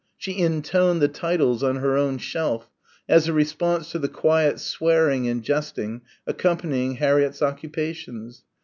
She intoned the titles on her own shelf as a response to the quiet swearing and jesting accompanying Harriett's occupations.